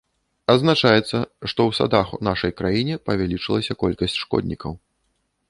Адзначаецца, што ў садах у нашай краіне павялічылася колькасць шкоднікаў.